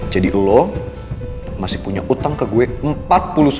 jadi lo masih punya utang ke gue rp empat puluh sembilan tujuh ratus